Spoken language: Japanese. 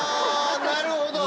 なるほど。